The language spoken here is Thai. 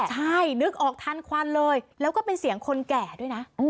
ใช่นึกออกทันควันเลยแล้วก็เป็นเสียงคนแก่ด้วยนะ